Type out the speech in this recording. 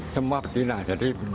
semua betina jadi nggak geger gitu